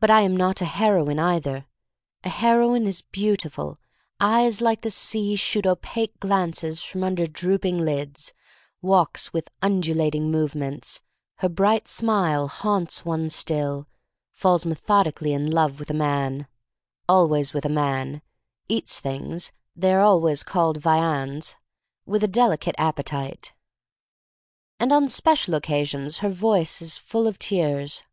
But I am not a heroine, either. A heroine is beautiful — eyes like the sea shoot opaque glances from under drooping lids — walks with undulating movements, her bright smile haunts one still, falls methodically in love with a man — always with a man, eats things (they are always called "viands'*) with a delicate appetite, and on special occa sions her voice is full of tears.